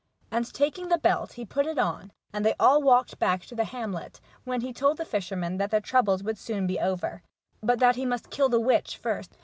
And taking the belt, he put it on, and they The Fishermen of Shetland. 73 all walked back to the hamlet, when he told the fisher men that their troubles would soon be over but that he must kill the witch first.